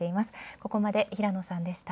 ここまで平野さんでした。